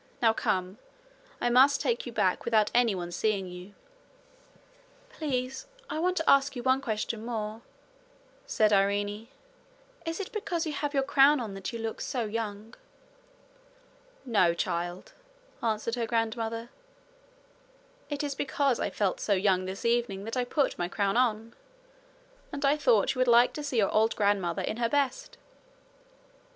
Now come. I must take you back without anyone seeing you.' 'Please, I want to ask you one question more,' said Irene. 'Is it because you have your crown on that you look so young?' 'No, child,' answered her grandmother; 'it is because I felt so young this evening that I put my crown on. And I thought you would like to see your old grandmother in her best.'